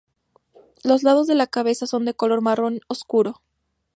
Los lados de la cabeza son de color marrón oscuro.